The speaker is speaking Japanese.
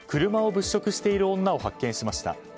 物色している女を発見しました。